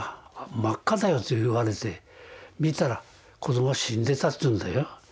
真っ赤だよと言われて見たら子どもは死んでたっていうんだよ。